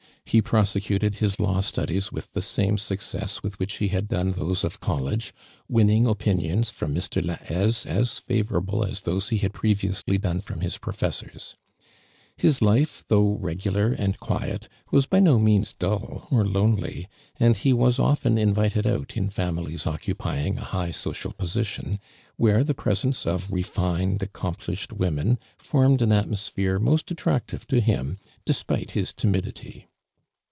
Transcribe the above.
He prose cuted hia laiv studies with the uame ^ucoe^a with which ho ha<l done those of college, winning opinions from Mr. Luhaiso as favorable as tnose he liad previously dor^e froQ) his professors, fl is life, thoqgh regular and quiet, was by no means dull or lonely; /and he was often invited out iti families occupying a high Hocial position, where the presence of refined, accomplish ed women formed an atmosphere most attractive to him, despite his tunidity.